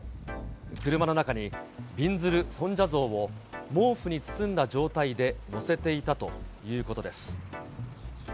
車の中にびんずる尊者像を毛布に包んだ状態で載せていたということです。